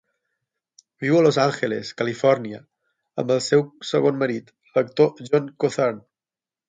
Viu a Los Angeles, Califòrnia amb el seu segon marit, l'actor John Cothran J.